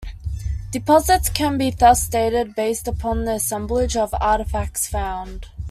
Deposits can be thus dated based upon the assemblage of artifacts found.